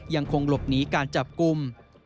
ยังคงหลบหนีการจับกลุ่ม